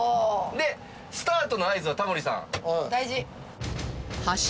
スタートの合図はタモリさん。